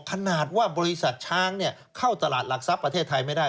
ขนาดว่าบริษัทช้างเข้าตลาดหลักทรัพย์ประเทศไทยไม่ได้